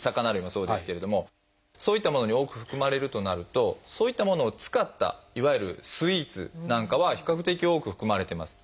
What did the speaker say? そういったものに多く含まれるとなるとそういったものを使ったいわゆるスイーツなんかは比較的多く含まれてます。